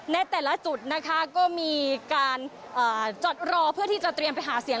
ในแต่ละจุดนะคะก็มีการจอดรอเพื่อที่จะเตรียมไปหาเสียง